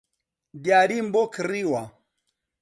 دیاریم بۆ کڕیوە